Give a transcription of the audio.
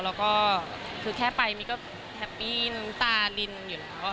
แล้วก็คือแค่ไปมี่ก็แฮปปี้น้ำตาลินอยู่แล้ว